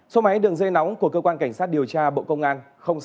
số máy đường dây nóng của cơ quan cảnh sát điều tra bộ công an